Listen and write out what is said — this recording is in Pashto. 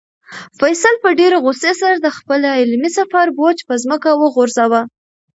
فیصل په ډېرې غوسې سره د خپل علمي سفر بوج په ځمکه وغورځاوه.